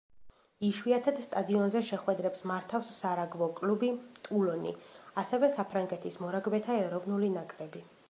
იშვიათად, სტადიონზე შეხვედრებს მართავს სარაგბო კლუბი „ტულონი“, ასევე საფრანგეთის მორაგბეთა ეროვნული ნაკრები.